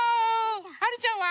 はるちゃんは？